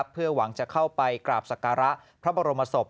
เพื่อหวังจะเข้าไปกราบศักระพระบรมศพ